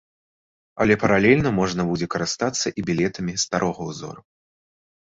Але паралельна можна будзе карыстацца і білетамі старога ўзору.